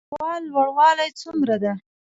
د ديوال لوړوالی څومره ده؟